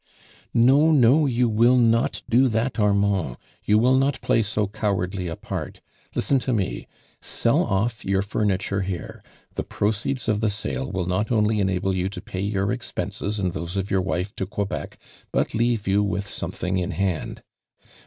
" No, no, you will not do that Armand ! you will not play so cowardly apart. Listen to me. Sell ott" your furniture here. The proceeds of sale will not only enable you to pay your expenses and those of your wife to Quebec but leave you with something in lj(ind.